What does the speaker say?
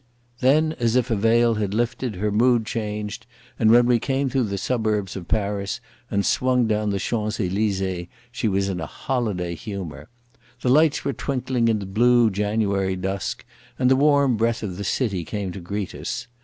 Then, as if a veil had lifted, her mood changed, and when we came through the suburbs of Paris and swung down the Champs Élysées she was in a holiday humour. The lights were twinkling in the blue January dusk, and the warm breath of the city came to greet us.